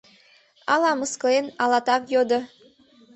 Ала мыскылен, ала так йодо: